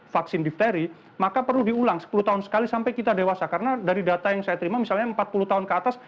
vaksin difteri maka perlu diulang sepuluh tahun sekali sampai kita dewasa karena dari data yang saya terima misalnya empat puluh tahun ke atas